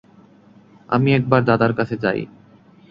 আমি একবার দাদার কাছে যাই।